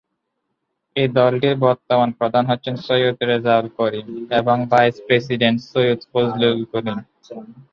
এই দলটির বর্তমান প্রধান হচ্ছেন সৈয়দ রেজাউল করিম এবং ভাইস প্রেসিডেন্ট সৈয়দ ফয়জুল করীম।